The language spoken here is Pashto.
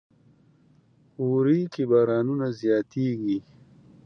وری کې بارانونه زیات کیږي.